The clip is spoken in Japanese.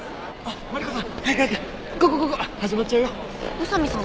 宇佐見さん